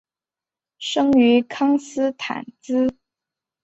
生于康斯坦茨。